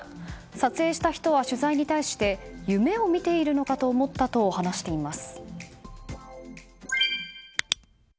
撮影した人は取材に対して夢を見ているのかと思ったと話しています。